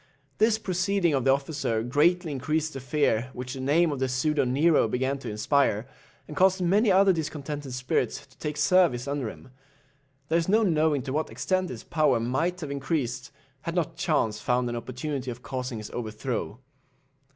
This proceeding of the officer greatly increased the fear which the name of the pseudo Nero began to inspire, and caused many other discontented spirits to take service under him. There is no knowing to what extent his power might have increased, had not chance found an opportunity of causing his overthrow.